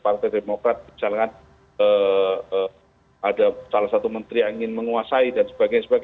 partai demokrat misalkan ada salah satu menteri yang ingin menguasai dan sebagainya